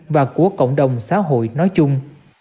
và của cộng đồng xã hội nói chung